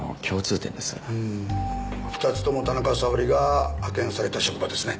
うーん２つとも田中沙織が派遣された職場ですね。